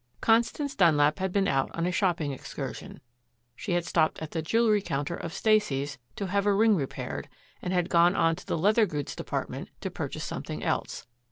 Constance Dunlap had been out on a shopping excursion. She had stopped at the jewelry counter of Stacy's to have a ring repaired and had gone on to the leather goods department to purchase something else.